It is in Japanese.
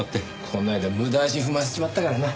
この間無駄足踏ませちまったからな。